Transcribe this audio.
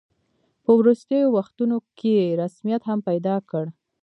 په وروستیو وختونو کې یې رسمیت هم پیدا کړ.